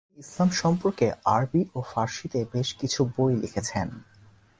তিনি ইসলাম সম্পর্কে আরবি ও ফারসিতে বেশ কিছু বই লিখেছেন।